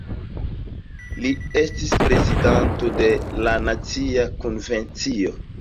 Li estis prezidanto de la Nacia Konvencio.